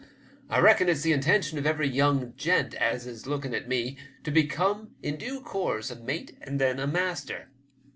I reckon it's the intention of every young gent as is looking at me to become in due course a mate and then a master.